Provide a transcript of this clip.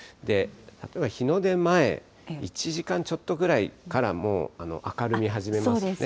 例えば日の出前、１時間ちょっとぐらいからもう明るみ始めますよね。